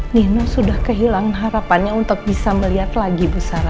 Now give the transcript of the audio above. nino sudah kehilangan harapannya untuk bisa melihat lagi bu sara